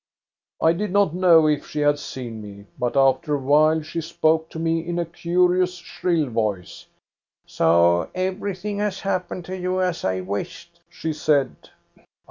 I did not know if she had seen me ; but after a while she spoke to me in a curious, shrill voice. "* So everything has happened to you as I wished,' she said.